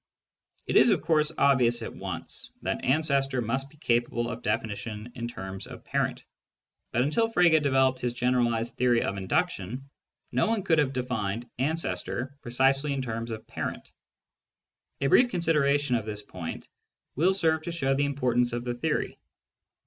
It is, of course, obvious at once that " ancestor " must be capable of definition in terms of " parent," but until Frege developed his generalised theory of induction, no one could have defined " ancestor " precisely in terms of " parent." A brief consideration of this point will serve to show the importance of the theory.